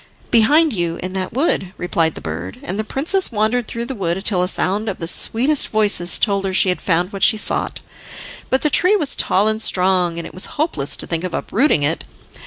"Behind you, in that wood," replied the bird, and the princess wandered through the wood, till a sound of the sweetest voices told her she had found what she sought. But the tree was tall and strong, and it was hopeless to think of uprooting it.